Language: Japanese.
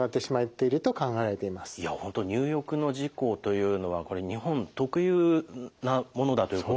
いや本当入浴の事故というのはこれ日本特有なものだということ。